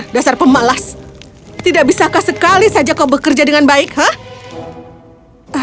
dengan benar dasar pemalas tidak bisa sekali saja kau bekerja dengan baik hah